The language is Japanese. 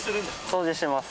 掃除します。